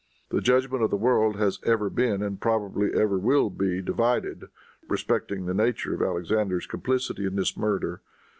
The judgment of the world has ever been and probably ever will be divided respecting the nature of Alexander's complicity in this murder.